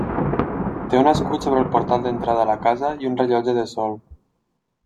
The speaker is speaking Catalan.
Té un escut sobre el portal d'entrada a la casa i un rellotge de sol.